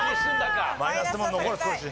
マイナスでも残る少し。